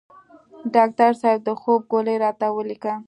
ډاکټر صیب د خوب ګولۍ راته ولیکه